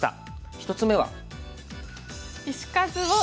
１つ目は。